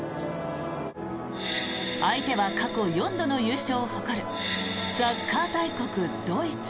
相手は過去４度の優勝を誇るサッカー大国ドイツ。